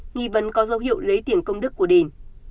nghi vấn có dấu hiệu lấy tiền công đức của điền